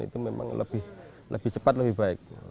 itu memang lebih cepat lebih baik